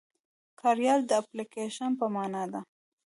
کاریال د اپليکيشن په مانا دی.